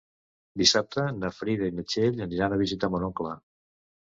Dissabte na Frida i na Txell aniran a visitar mon oncle.